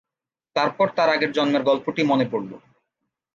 তারপর তার আগের জন্মের গল্পটি মনে পড়ল।